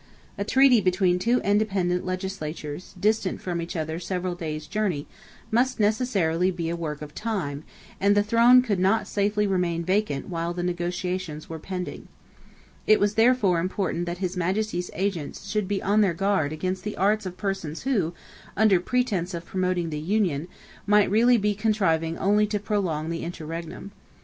A treaty between two independent legislatures, distant from each other several days' journey, must necessarily be a work of time; and the throne could not safely remain vacant while the negotiations were pending. It was therefore important that His Majesty's agents should be on their guard against the arts of persons who, under pretence of promoting the union, might really be contriving only to prolong the interregnum.